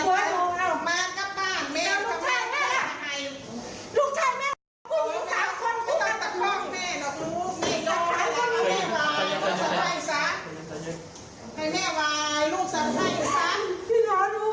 พิณาศีสุดท้ายแต่ก่อนค่อนข้างคิด